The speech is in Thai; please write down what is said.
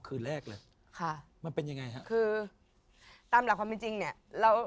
คือตามหลักความจริงเนี่ย